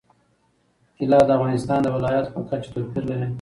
طلا د افغانستان د ولایاتو په کچه توپیر لري.